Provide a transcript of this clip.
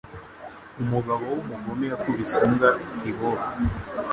Umugabo wumugome yakubise imbwa ikiboko.